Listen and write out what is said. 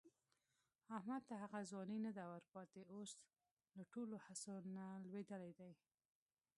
احمد ته هغه ځواني نه ده ورپاتې، اوس له ټولو هڅو نه لوېدلی دی.